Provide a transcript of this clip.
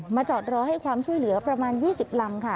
จอดรอให้ความช่วยเหลือประมาณ๒๐ลำค่ะ